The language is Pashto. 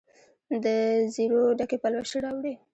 دزیرو ډکي پلوشې راوړي